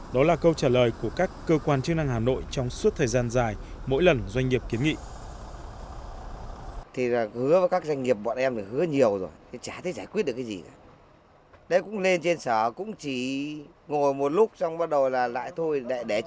đó là câu trả lời của các cơ quan chức năng hà nội trong suốt thời gian dài mỗi lần doanh nghiệp kiến nghị